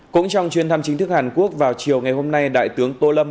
cũng trong chuyến thăm chính thức hàn quốc vào chiều ngày hôm nay đại tướng tô lâm